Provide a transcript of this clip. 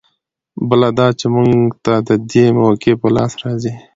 بله دا چې موږ ته د دې موقعې په لاس راځي.